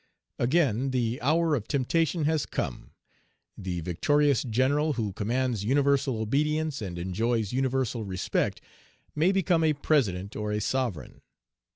Again the hour of temptation has come. The victorious general who commands universal obedience and enjoys universal respect may become a president or a sovereign.